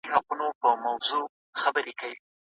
او شاوخوا اویا کاله ئې.